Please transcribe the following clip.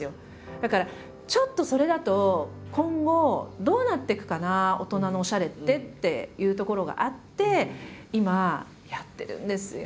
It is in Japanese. だからちょっとそれだと今後どうなっていくかな大人のおしゃれってっていうところがあって今やってるんですよ。